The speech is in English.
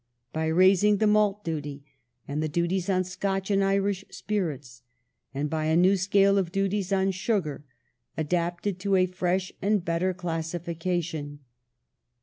by raising the malt duty and the duties on Scotch and Irish spirits, and by a new scale of duties on sugar, adapted to a fresh and better classifi cation.